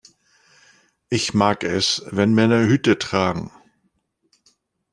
Ich mag es, wenn Männer Hüte tragen.